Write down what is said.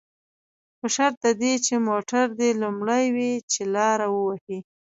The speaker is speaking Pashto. په شرط د دې چې موټر دې لومړی وي، چې لاره ووهي.